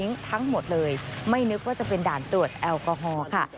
ทั้งหมดเลยไม่นึกว่าจะเป็นด่านตรวจแอลกอฮอล์ค่ะ